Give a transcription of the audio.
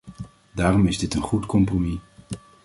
Daarom is dit een goed compromis.